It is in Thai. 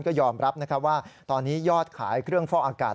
ก็ยอมรับว่าตอนนี้ยอดขายเครื่องฟอกอากาศ